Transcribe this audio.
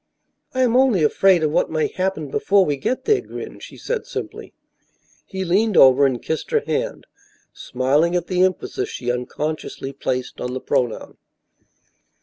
"I am only afraid of what may happen before we get there, Gren," she said, simply. He leaned over and kissed her hand, smiling at the emphasis she unconsciously placed on the pronoun.